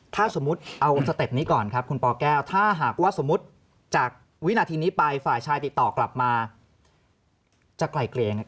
ถ้าสมมุติเอาสเต็ปนี้ก่อนครับคุณปแก้วถ้าหากว่าสมมุติจากวินาทีนี้ไปฝ่ายชายติดต่อกลับมาจะไกลเกลี่ยยังไง